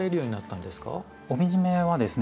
帯締めはですね